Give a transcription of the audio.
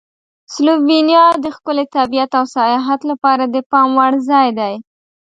سلووینیا د ښکلي طبیعت او سیاحت لپاره د پام وړ ځای دی.